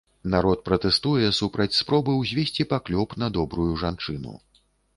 Народ пратэстуе супраць спробы ўзвесці паклёп на добрую жанчыну.